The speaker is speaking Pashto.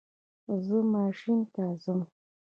زه ماشین ته ځم